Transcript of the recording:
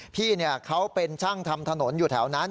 พี่เขาเป็นช่างทำถนนอยู่แถวนั้น